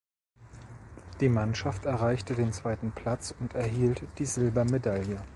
Die Mannschaft erreichte den zweiten Platz und erhielt die Silbermedaille.